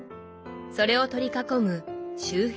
それを取り囲む「周辺」。